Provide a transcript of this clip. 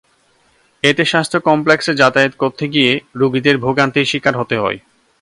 এতে স্বাস্থ্য কমপ্লেক্সে যাতায়াত করতে গিয়ে রোগীদের ভোগান্তির শিকার হতে হয়।